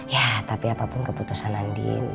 ya tapi apapun keputusan andin